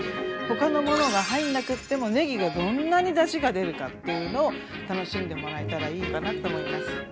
他のものが入んなくってもねぎがどんなにだしが出るかっていうのを楽しんでもらえたらいいかなと思います。